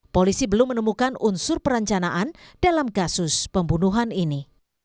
polisi belum menemukan unsur perencanaan dalam kasus pembunuhan ini